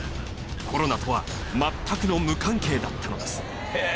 コロナとは全くの無関係だったのです。